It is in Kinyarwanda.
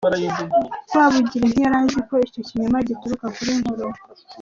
Rwabugili ntiyari azi ko icyo kinyoma gituruka kuri Nkoronko.